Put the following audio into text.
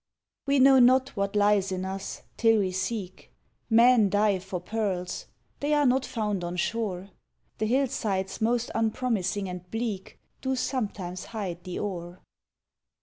We know not what lies in us, till we seek; Men dive for pearls they are not found on shore, The hillsides most unpromising and bleak Do sometimes hide the ore.